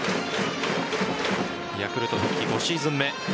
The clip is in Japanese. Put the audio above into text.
ヤクルト復帰５シーズン目